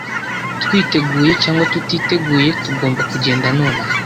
Twiteguye cyangwa tutiteguye, tugomba kugenda nonaha.